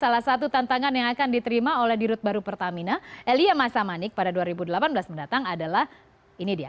salah satu tantangan yang akan diterima oleh dirut baru pertamina elia masamanik pada dua ribu delapan belas mendatang adalah ini dia